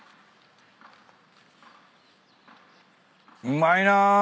うまいな。